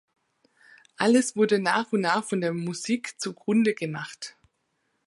Alles wurde nach und nach von der Musik zu Grunde gemacht.